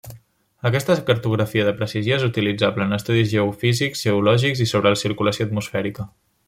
Aquesta cartografia de precisió és utilitzable en estudis geofísics, geològics i sobre la circulació atmosfèrica.